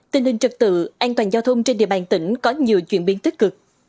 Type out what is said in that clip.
tình hình trật tự an toàn giao thông trên địa bàn tỉnh có nhiều chuyển biến tích cực